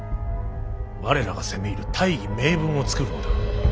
我らが攻め入る大義名分を作るのだ。